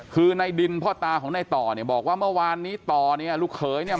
คือในดินพ่อตาของในต่อเนี่ยบอกว่าเมื่อวานนี้ต่อเนี่ยลูกเขยเนี่ย